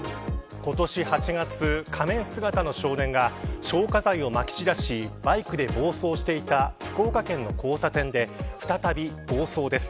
今年８月、仮面姿の少年が消火剤をまき散らしバイクで暴走していた福岡県の交差点で再び、暴走です。